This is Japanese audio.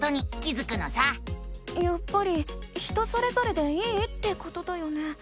やっぱり人それぞれでいいってことだよね？